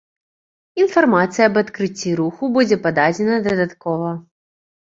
Інфармацыя аб адкрыцці руху будзе пададзена дадаткова.